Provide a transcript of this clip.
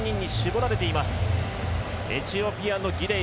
エチオピアのギデイ